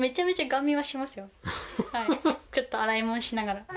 ちょっと洗い物しながら。